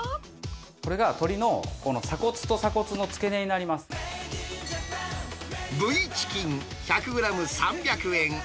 これが鶏のこの鎖骨と鎖骨のＶチキン１００グラム３００円。